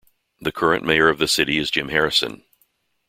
The current mayor of the city is Jim Harrison.